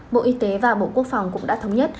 bộ y tế và bộ quốc phòng cũng đã thống nhất